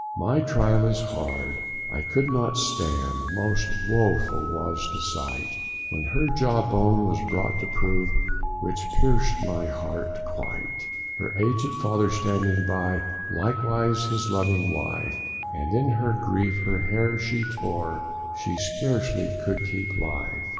My trial is hard, I could not stand, most woeful was the sight, When her jaw bone was brought to prove, which pierced my heart quite; Her aged father standing by, likewise his loving wife, And in her grief her hair she tore, she scarcely could keep life.